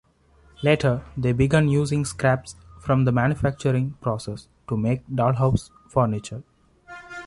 Later, they began using scraps from the manufacturing process to make dollhouse furniture.